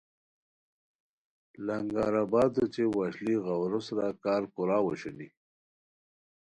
لنگرآباد اوچے وشلی غورو سورا کار کوراؤ اوشونی